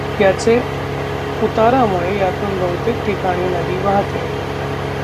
याचे उतारामुळे यातून बहुतेक ठिकाणी नदी वाहते.